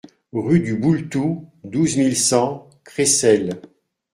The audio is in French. Rue du Boultou, douze mille cent Creissels